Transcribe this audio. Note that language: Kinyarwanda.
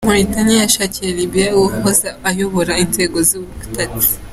Moritaniya yashyikirije Libiya uwahoze ayobora inzego z’ubutasi